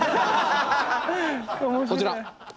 こちら！